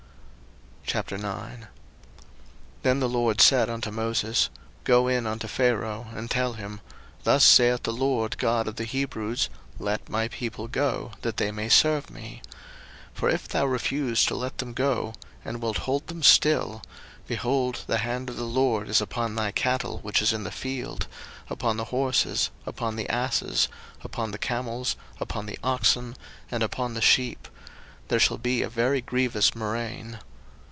02:009:001 Then the LORD said unto Moses, Go in unto Pharaoh, and tell him, Thus saith the LORD God of the Hebrews, Let my people go, that they may serve me. 02:009:002 For if thou refuse to let them go, and wilt hold them still, 02:009:003 Behold, the hand of the LORD is upon thy cattle which is in the field, upon the horses, upon the asses, upon the camels, upon the oxen, and upon the sheep: there shall be a very grievous murrain.